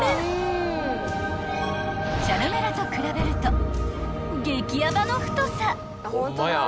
［チャルメラと比べると激ヤバの太さ］